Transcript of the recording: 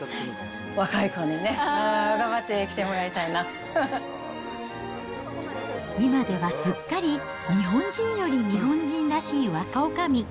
若い子にね、今ではすっかり、日本人より日本人らしい若おかみ。